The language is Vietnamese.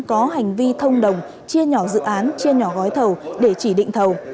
có hành vi thông đồng chia nhỏ dự án chia nhỏ gói thầu để chỉ định thầu